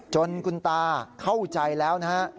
จนคุณตาเข้าใจแล้วนะฮะ